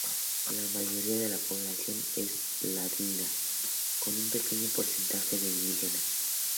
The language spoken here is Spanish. La mayoría de la población es ladina, con un pequeño porcentaje de indígenas.